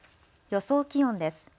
予想気温です。